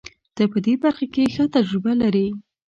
ته په دې برخه کې ښه تجربه لرې.